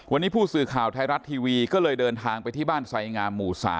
วันนี้ผู้สื่อข่าวไทยรัฐทีวีก็เลยเดินทางไปที่บ้านไสงามหมู่๓